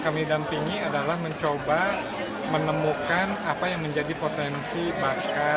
kami dampingi adalah mencoba menemukan apa yang menjadi potensi bakat mereka yang kemudian kami